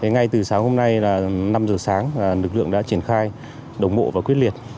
ngay từ sáng hôm nay là năm giờ sáng lực lượng đã triển khai đồng bộ và quyết liệt